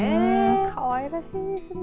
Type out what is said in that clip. かわいらしいですね。